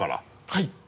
はい。